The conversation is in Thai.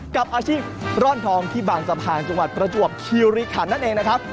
กับอาชีพร่อนทองที่บางสะพานจังหวัดประจวบคิริขันนั่นเองนะครับ